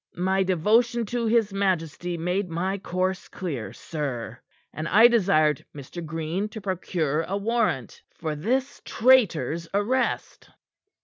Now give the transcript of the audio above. My devotion to his majesty made my course clear, sir and I desired Mr. Green to procure a warrant for this traitor's arrest."